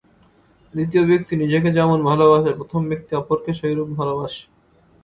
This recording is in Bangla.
দ্বিতীয় ব্যক্তি নিজেকে যেমন ভালবাসে, প্রথম ব্যক্তি অপরকে সেইরূপ ভালবাসে।